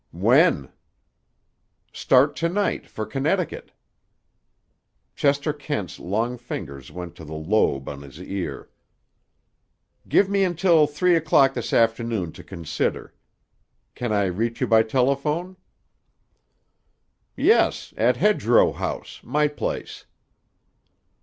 "When?" "Start to night for Connecticut." Chester Kent's long fingers went to the lobe on his ear. "Give me until three o'clock this afternoon to consider. Can I reach you by telephone?" "Yes, at Hedgerow House, my place."